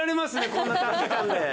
こんな短時間で。